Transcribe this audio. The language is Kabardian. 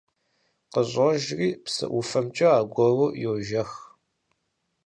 КъыщӀожри, псы ӀуфэмкӀэ аргуэру йожэх.